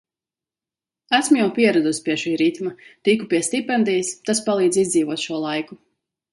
Esmu jau pieradusi pie šī ritma. Tiku pie stipendijas, tas palīdz izdzīvot šo laiku.